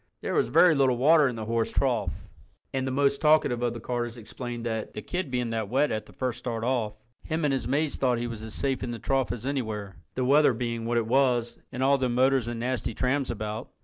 There was very little water in the horse trough and the most talkative of the carters explained that, the kid being that wet at the first start off, him and his mates thought he was as safe in the trough as anywhere—the weather being what it was and all them nasty motors and trams about.